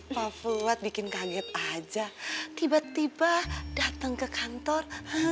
pak fuad bikin kaget aja tiba tiba dateng ke kantor